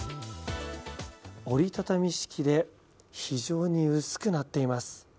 折り畳み式で非常に薄くなっています。